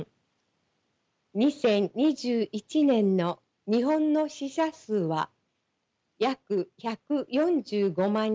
２０２１年の日本の死者数は約１４５万人。